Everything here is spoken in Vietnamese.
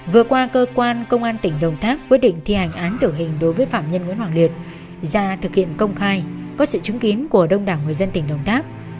vừa qua cơ quan công an tỉnh đồng tháp quyết định thi hành án tử hình đối với phạm nhân nguyễn hoàng liệt ra thực hiện công khai có sự chứng kiến của đông đảo người dân tỉnh đồng tháp